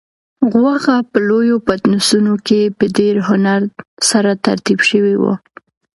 غوښه په لویو پتنوسونو کې په ډېر هنر سره ترتیب شوې وه.